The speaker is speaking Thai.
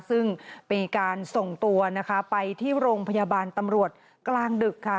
ซึ่งเป็นการส่งตัวนะคะไปที่โรงพยาบาลตำรวจกลางดึกค่ะ